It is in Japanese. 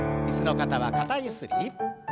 椅子の方は肩ゆすり。